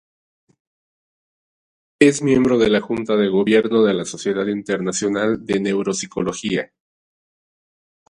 Es miembro de la Junta de Gobierno de la Sociedad Internacional de Neuropsicología.